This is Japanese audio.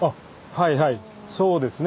はいはいそうですね。